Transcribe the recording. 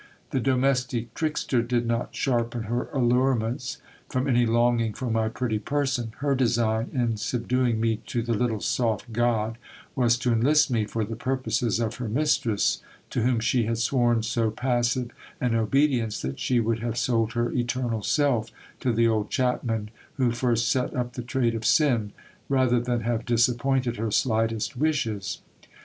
The domestic trickster did not sharpen her allurements, from any longing for my pretty person ; her design in subduing me to the little soft god was to enlist me for the purposes of her mistress, to whom she had sworn so passive an obedi ence, that she would have sold her eternal self to the old chapman, who first set up the trade of sin, rather than have disappointed her slightest wishes.